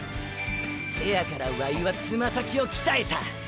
せやからワイはつま先を鍛えた！！